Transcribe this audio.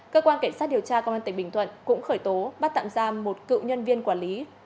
cơ quan cảnh sát điều tra công an tỉnh bình thuận cũng khởi tố bắt tạm giam một cựu nhân viên quản lý